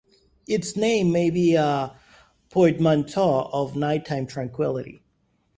Its name may be a portmanteau of "nighttime tranquility".